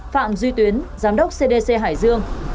sáu phạm duy tuyến giám đốc cdc hải dương